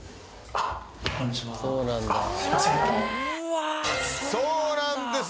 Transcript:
あのそうなんです